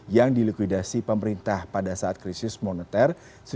yang dilukidasi pemerintah pada saat krisis moneter seribu sembilan ratus sembilan puluh delapan